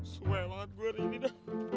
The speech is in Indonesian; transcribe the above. sual banget gue hari ini